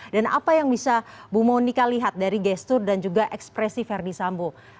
dan apa yang bisa lihat dari gestur dan juga ekspresialdi sambo